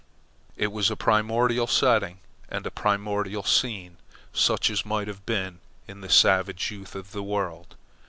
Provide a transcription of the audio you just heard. It was a primordial setting and a primordial scene, such as might have been in the savage youth of the world.